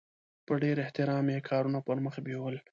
په ډېر احترام یې کارونه پرمخ بیول.